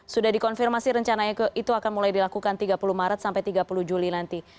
sudah dikonfirmasi rencananya itu akan mulai dilakukan tiga puluh maret sampai tiga puluh juli nanti